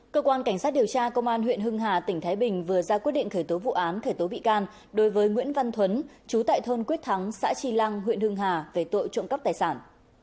các bạn hãy đăng kí cho kênh lalaschool để không bỏ lỡ những video hấp dẫn